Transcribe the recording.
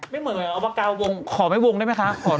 ไม่เหมือนเอาปากกาวงขอไม่วงได้ไหมคะ